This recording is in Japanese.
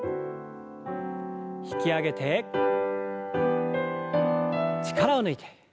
引き上げて力を抜いて。